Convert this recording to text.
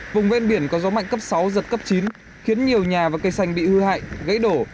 vùng ven biển có gió mạnh cấp sáu giật cấp chín khiến nhiều nhà và cây xanh bị hư hại gãy đổ